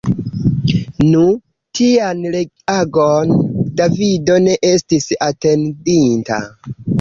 Nu, tian reagon Davido ne estis atendinta.